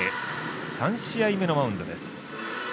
３試合目のマウンドです。